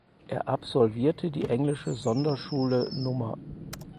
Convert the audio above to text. Er absolvierte die englische Sonderschule Nr.